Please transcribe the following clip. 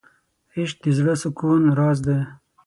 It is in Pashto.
عشق د زړه د سکون راز دی.